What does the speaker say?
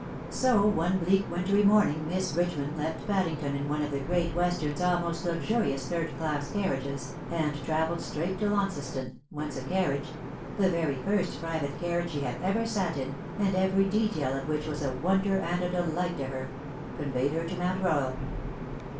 So one bleak wintry morning Miss Bridgeman left Paddington in one of the Great Western^s almost luxurious third class carriages; and travelled straight to Launceston^ whence a carriage — the very first private carriage she had ever sat in^ and every detail of which was a wonder and a delight to her — conveyed her to Mount Eoyal.